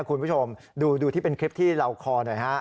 คุณผู้ชมดูที่เป็นคลิปที่เราคอหน่อยฮะ